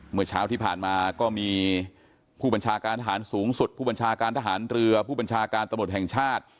เมื่อเช้าที่ผ่านมาก็มีผู้บัญชาการทหารสูงสุดผู้บัญชาการทหารเรือผู้บัญชาการตำรวจแห่งชาติ